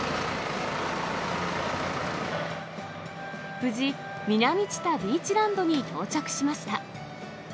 無事、南知多ビーチランドに到着しました。